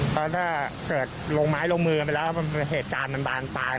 เพราะถ้าเกิดลงไม้ลงมือไปแล้วเหตุการณ์มันบานปลาย